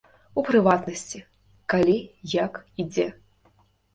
У прыватнасці, калі, як і дзе.